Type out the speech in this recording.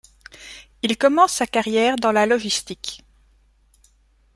Il commence sa carrière dans la logistique.